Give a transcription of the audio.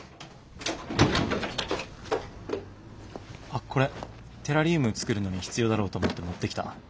あっこれテラリウム作るのに必要だろうと思って持ってきた。